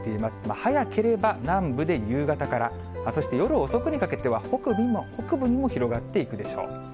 早ければ南部で夕方から、そして夜遅くにかけては、北部にも広がっていくでしょう。